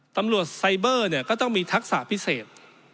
ตำรวจไซเบอร์เนี่ยก็ต้องมีทักษะพิเศษ